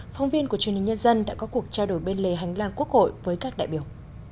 phóng viên của truyền hình nhân dân đã có cuộc trao đổi bên lề hành lang quốc hội với các đại biểu